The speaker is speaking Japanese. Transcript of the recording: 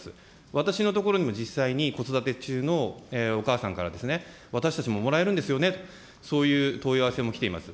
私のところにも実際に、子育て中のお母さんから、ですね、私たちももらえるんですよね、そういう問い合わせも来ています。